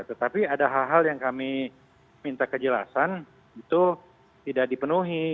tetapi ada hal hal yang kami minta kejelasan itu tidak dipenuhi